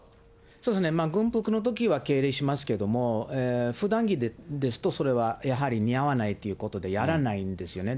そうですね、軍服のときは敬礼しますけども、ふだん着ですと、それはやはり似合わないということで、やらないんですよね。